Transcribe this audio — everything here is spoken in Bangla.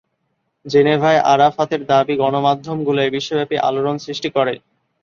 জেনেভায় আরাফাতের দাবি গণমাধ্যমগুলোয় বিশ্বব্যাপী আলোড়ন সৃষ্টি করে।